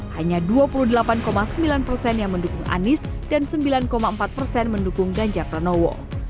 hanya dua puluh delapan sembilan persen yang mendukung anies dan sembilan empat persen mendukung ganjar pranowo